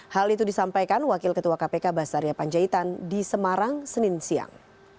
hal itu disampaikan wakil ketua kpk basaria panjaitan di semarang senin siang